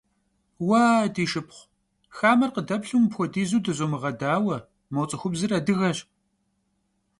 Vua, di şşıpxhu, xamer khıdeplhu mıpxuedizu dızomığedaue, mo ts'ıxubzır adıgeş.